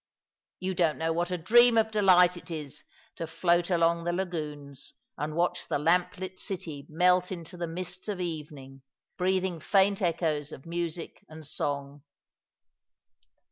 You don't know what a dream of delight it is to float along the lagoons and watch the lamp lit city melt into the mists of evening, breathing faint echoes of music and song.